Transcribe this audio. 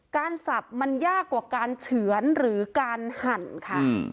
สับมันยากกว่าการเฉือนหรือการหั่นค่ะ